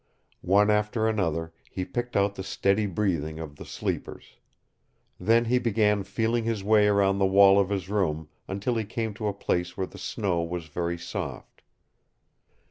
One after another he picked out the steady breathing of the sleepers. Then he began feeling his way around the wall of his room until he came to a place where the snow was very soft.